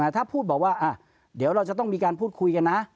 ถ้าพูดบอกว่าเดี๋ยวเราจะต้องมีการพูดคุยกันนะ